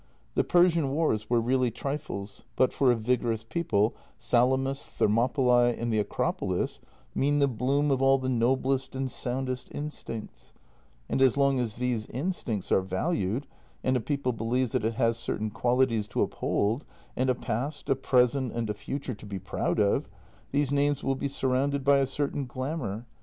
The Persian wars were really trifles, but for a vigorous people Salamis, Thermopylae, and the Acropolis mean the bloom of all the noblest and soundest instincts, and as long as these instincts are valued, and a people believes that it has certain qualities to uphold, and a past, a present, and a future to be proud of, these names will be surrounded by a certain glamour.